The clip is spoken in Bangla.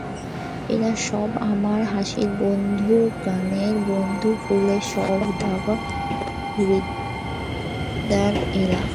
এরা সবাই আমার হাসির বন্ধু, গানের বন্ধু, ফুলের সওদার খরিদ্দার এরা।